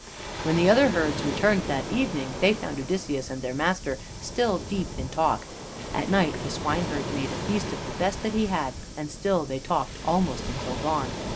When the other herds returned that evening they found Odysseus and their master still deep in talk. At night the swineherd made a feast of the best that he had, and still they talked, almost until dawn.